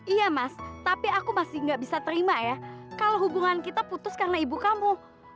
iya mas tapi aku masih gak bisa terima ya kalau hubungan kita putus karena ibu kamu